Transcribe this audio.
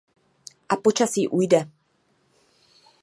A počasí ujde.